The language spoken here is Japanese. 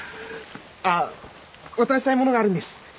あっ渡したい物があるんです。